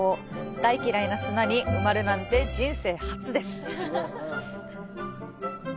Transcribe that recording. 大嫌いな砂に埋まるなんて人生初です。